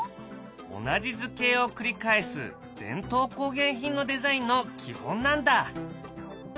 同じ図形を繰り返す伝統工芸品のデザインの基本なんだ。